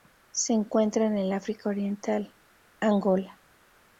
Se encuentra en el África Oriental: Angola.